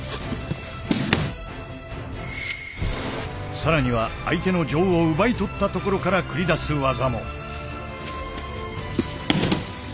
更には相手の杖を奪い取ったところから繰り出す技も。